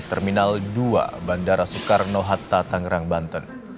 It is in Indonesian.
terminal dua bandara soekarno hatta tangerang banten